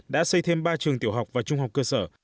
đã xây thêm ba trường tiểu học và trung học cơ sở